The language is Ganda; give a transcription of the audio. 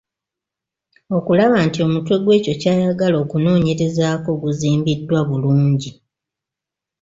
Okulaba nti omutwe gw’ekyo ky’ayagala okunoonyerezaako guzimbiddwa bulungi.